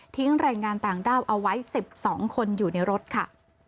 ทิ้งแรงงานต่างด้าวเอาไว้สิบสองคนอยู่ในรถค่ะ